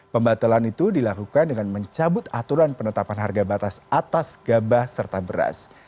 pembatalan itu dilakukan dengan mencabut aturan penetapan harga batas atas gabah serta beras